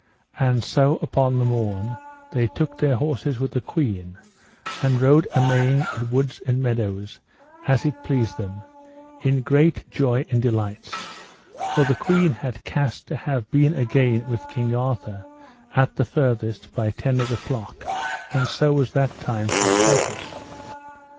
And so upon the morn they took their horses with the queen, and rode a Maying in woods and meadows as it pleased them, in great joy and delights; for the queen had cast to have been again with King Arthur at the furthest by ten of the clock, and so was that time her purpose.